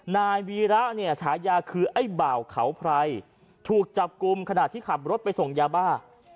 นายวีระเนี่ยฉายาคือไอ้บ่าวเขาไพรถูกจับกลุ่มขณะที่ขับรถไปส่งยาบ้า